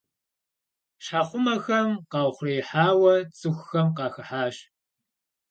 Щхьэхъумэхэм къаухъуреихьауэ цӏыхухэм къахыхьащ.